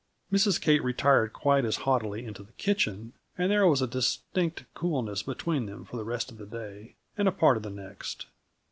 Mrs. Kate retired quite as haughtily into the kitchen, and there was a distinct coolness between them for the rest of the day, and a part of the next.